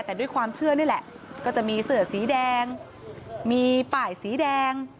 แต่ด้วยความเชื่อนี่แหละก็จะมีเสือสีแดงมีป่ายสีแดง